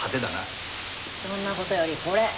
そんな事よりこれ。